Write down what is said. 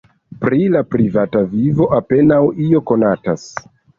Pri la privata vivo apenaŭ io konatas.